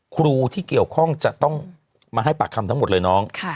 ครูที่เกี่ยวข้องจะต้องมาให้ปากคำทั้งหมดเลยน้อง